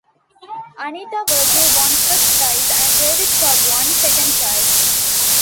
Anita Virgil won first prize, and David Cobb won second prize.